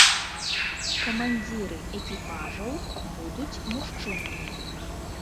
Камандзіры экіпажаў будуць мужчынамі.